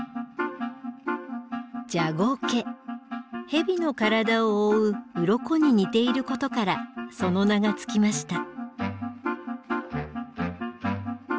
ヘビの体を覆ううろこに似ていることからその名が付きました。